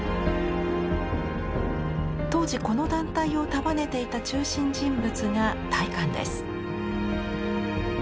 当時この団体を束ねていた中心人物が大観です。